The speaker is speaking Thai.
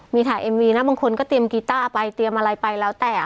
มีถ่ายเอ็มวีนะบางคนก็เตรียมกีต้าไปเตรียมอะไรไปแล้วแต่